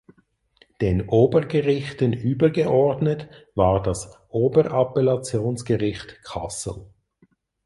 Den Obergerichten übergeordnet war das Oberappellationsgericht Kassel.